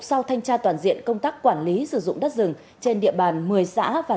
sau thanh tra toàn diện công tác quản lý sử dụng đất rừng trên địa bàn một mươi xã và